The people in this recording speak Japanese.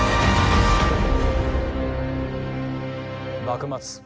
幕末。